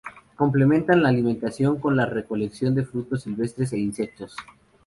Complementan la alimentación con la recolección de frutos silvestres e insectos.